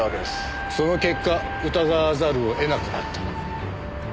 その結果疑わざるを得なくなった。